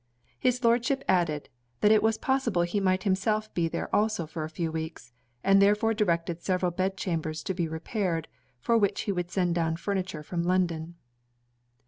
His Lordship added, that it was possible he might himself be there also for a few weeks; and therefore directed several bed chambers to be repaired, for which he would send down furniture from London.